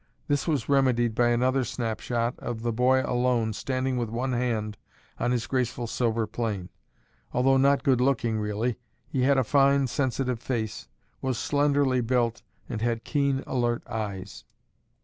This was remedied by another snapshot of the boy alone standing with one hand on his graceful silver plane. Although not good looking, really, he had a fine, sensitive face, was slenderly built and had keen alert eyes.